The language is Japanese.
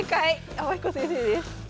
天彦先生です。